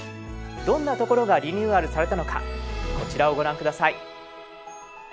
どんなところがリニューアルされたのかこちらをご覧下さい。